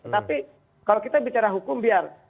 tapi kalau kita bicara hukum biar